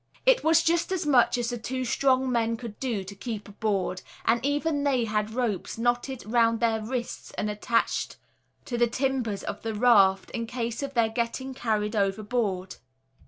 It was just as much as the two strong men could do to keep aboard and even they had ropes knotted round their wrists and attached to the timbers of the raft, in case of their getting carried overboard.